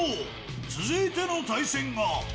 続いての対戦が。